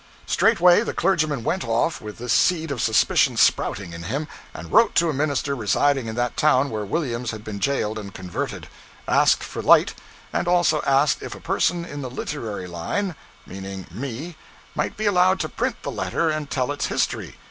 Straightway the clergyman went off, with this seed of suspicion sprouting in him, and wrote to a minister residing in that town where Williams had been jailed and converted; asked for light; and also asked if a person in the literary line (meaning me) might be allowed to print the letter and tell its history.